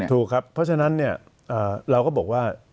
เพราะฉะนั้นเราก็บอกว่า